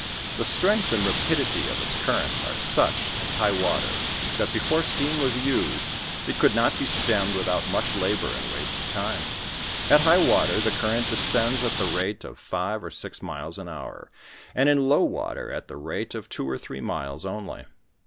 The strength and rapidity of its current are such in high water, that before steam was used, it could not be stemmed without much labor and waste of time. At high water the current descends at the rate of five or six miles an hour, and in low water at th'* rate of two or three miles only.